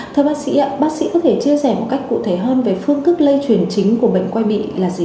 thưa bác sĩ ạ bác sĩ có thể chia sẻ một cách cụ thể hơn về phương thức lây truyền chính của bệnh quay bị là gì